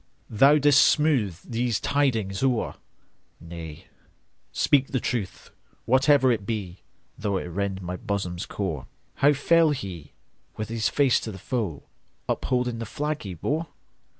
Thou 'dst smooth these tidings o'er,—Nay, speak the truth, whatever it be, Though it rend my bosom's core."How fell he,—with his face to the foe, Upholding the flag he bore?